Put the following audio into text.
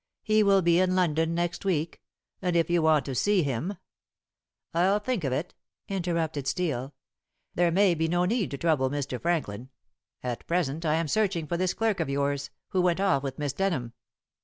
He will be in London next week, and if you want to see him " "I'll think of it," interrupted Steel. "There may be no need to trouble Mr. Franklin. At present I am searching for this clerk of yours, who went off with Miss Denham."